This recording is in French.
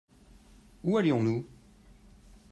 Où allions-nous ?